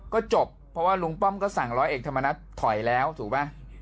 ก็จบเพราะว่าลุงป้อมก็สั่งร้อยเอกธรรมนัฐถอยแล้วถูกป่ะ